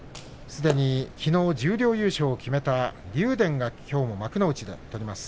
すでに、きのう十両優勝を決めた竜電がきょう幕内で取ります。